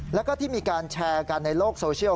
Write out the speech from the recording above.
แล้วก็ที่มีการแชร์กันในโลกโซเชียล